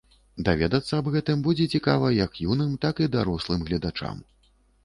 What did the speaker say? Даведацца аб гэтым будзе цікава як юным, так і дарослым гледачам.